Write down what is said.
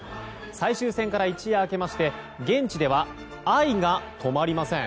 最終戦から一夜明けまして現地では愛が止まりません。